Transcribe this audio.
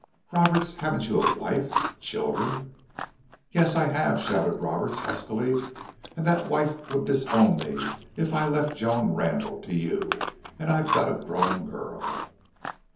"Roberts, haven't you a wife children?" "Yes, I have," shouted Roberts, huskily. "An' that wife would disown me if I left Joan Randle to you. An' I've got a grown girl.